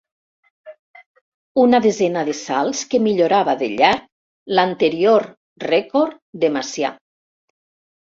Una desena de salts que millorava de llarg l'anterior rècord de Macià.